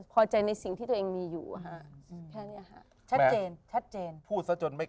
พอใจในสิ่งที่ตัวเองมีอยู่แค่นี้ฉันผู้รักเก้า